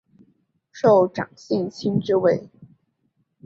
受长信卿之位。